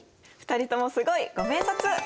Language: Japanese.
２人ともすごい！ご明察！